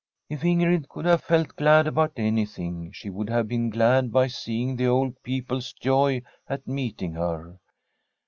If Ingrid could have felt glad about anything, she would have been glad by seeing the old peo ple's joy at meeting her.